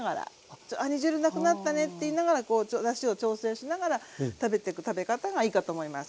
煮汁なくなったねって言いながらこうだしを調整しながら食べてく食べ方がいいかと思います。